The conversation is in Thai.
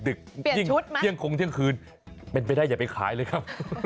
เปลี่ยนชุดมั้ยเปลี่ยนคงเที่ยงคืนเป็นไปได้อย่าไปขายเลยครับ